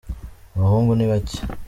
abahungu nibake